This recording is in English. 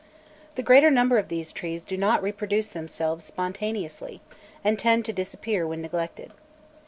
The greater number of these trees do not reproduce themselves spontaneously, and tend to disappear when neglected.